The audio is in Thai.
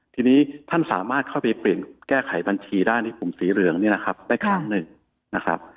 ทีนี้ท่านสามารถเข้าไปเปลี่ยนแก้ไขบัญชีได้ในกลุ่มสีเหลืองเนี่ยนะครับได้ครั้งหนึ่งนะครับ